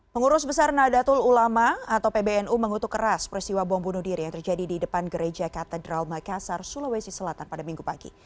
pengurus besar nadatul ulama atau pbnu mengutuk keras peristiwa bom bunuh diri yang terjadi di depan gereja katedral makassar sulawesi selatan pada minggu pagi